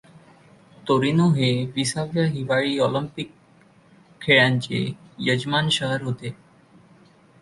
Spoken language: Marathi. तोरिनो हे विसाव्या हिवाळी ऑलिंपिक खेळांचे यजमान शहर होते.